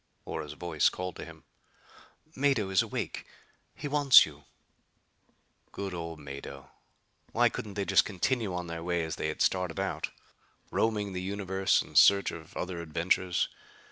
Ora's voice called to him. "Mado is awake. He wants you." Good old Mado! Why couldn't they just continue on their way as they had started out? Roaming the universe in search of other adventures!